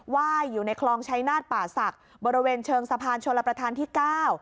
ว่ายอยู่ในคลองชายนาฏป่าศักดิ์บริเวณเชิงสะพานชลประธานที่เก้า